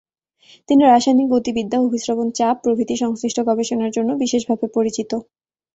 তিনি রাসায়নিক গতিবিদ্যা, অভিস্রবণ চাপ প্রভৃতি সংশ্লিষ্ট গবেষণার জন্য বিশেষভাবে পরিচিত।